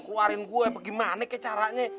keluarin gue apa gimana kayak caranya